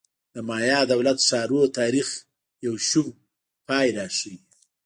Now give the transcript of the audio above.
د مایا دولت ښارونو تاریخ یو شوم پای راښيي